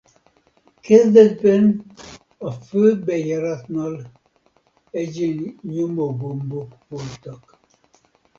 Kezdetben a főbejáratnál egyéni nyomógombok voltak.